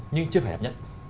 nhưng chưa phải đẹp nhất